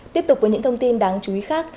tiếp tục với những thông tin đáng chú ý khác